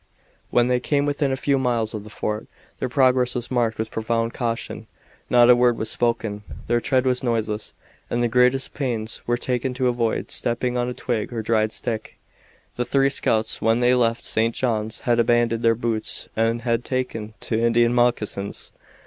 When they came within a few miles of the fort their progress was marked with profound caution. Not a word was spoken, their tread was noiseless, and the greatest pains were taken to avoid stepping on a twig or dried stick. The three scouts when they left St. John's had abandoned their boots and had taken to Indian moccasins.